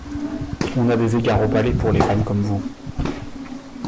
On a des égards au Palais pour les femmes comme vous...